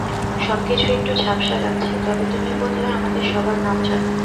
সবকিছু একটু ঝাপসা লাগছে, তবে তুমি বোধহয় আমাদের সবার নাম জানো।